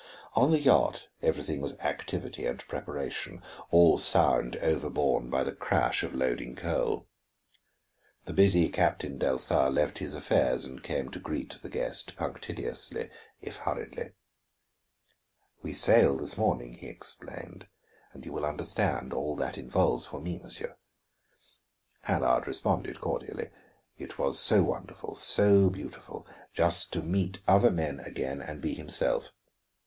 On the yacht everything was activity and preparation, all sound overborne by the crash of loading coal. The busy Captain Delsar left his affairs and came to greet the guest punctiliously, if hurriedly. "We sail this morning," he explained, "and you will understand all that involves for me, monsieur." Allard responded cordially; it was so wonderful, so beautiful, just to meet other men again and be himself.